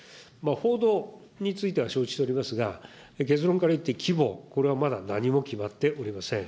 報道については承知しておりますが、結論から言って、規模、これはまだ何も決まっておりません。